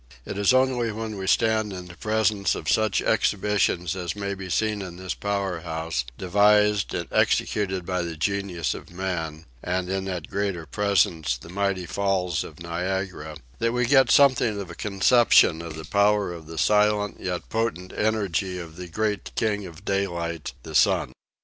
It is only when we stand in the presence of such exhibitions as may be seen in this power house, devised and executed by the genius of man, and in that greater presence, the mighty Falls of Niagara, that we get something of a conception of the power of the silent yet potent energy of the great king of daylight, the sun.